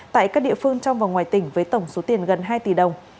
tại các địa phương trong và ngoài tỉnh với tổng số tiền gần hai tỷ đồng